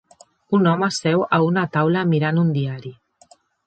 Un home seu a una taula mirant un diari